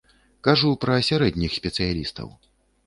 Кажу пра сярэдніх спецыялістаў.